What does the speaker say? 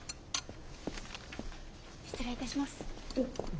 失礼いたします。